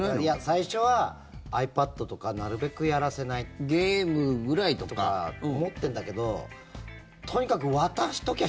最初はｉＰａｄとかなるべくやらせない。とか思ってるんだけどとにかく渡しときゃ